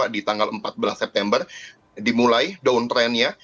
di tanggal empat belas september dimulai downtrendnya